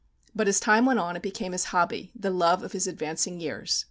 But as time went on it became his hobby, the love of his advancing years.